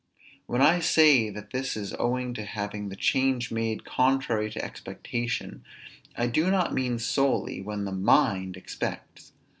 When I say that this is owing to having the change made contrary to expectation; I do not mean solely, when the mind expects.